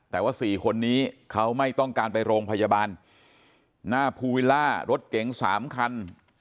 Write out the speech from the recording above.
แต่ว่าสี่คนนี้เขาไม่ต้องการไปโรงพยาบาลหน้าภูวิลล่ารถเก๋ง๓คัน